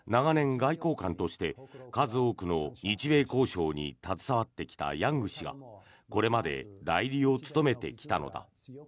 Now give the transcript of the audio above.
外交官として数多くの日米交渉に携わってきたヤング氏がこれまで代理を務めてきたのだ。